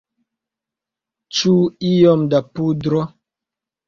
Ĉu iom da pudro?